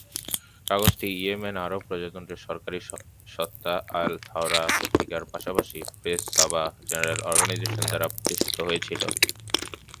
কাগজটি Yemen Arab প্রজাতন্ত্রের সরকারী সত্তা "আল-থাওরা" পত্রিকার পাশাপাশি প্রেস সাবা জেনারেল অর্গানাইজেশন দ্বারা প্রতিষ্ঠিত হয়েছিল।